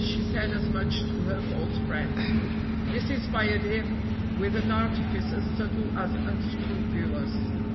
She said as much to her false friend. This inspired him with an artifice as subtle as unscrupulous.